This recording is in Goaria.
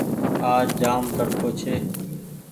آج جآم تڙڪو ڇي